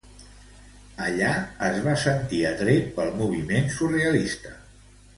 Allà, es va sentir atret pel moviment surrealista.